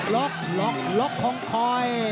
ล็อกล็อกล็อกของคอย